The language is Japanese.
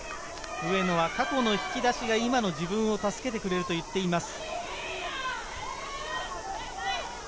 上野は過去の引き出しが今のボールを助けてくれると言っています。